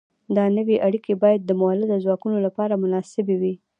دا نوې اړیکې باید د مؤلده ځواکونو لپاره مناسبې وي.